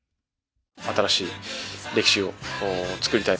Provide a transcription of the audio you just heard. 新しい歴史を作りたい。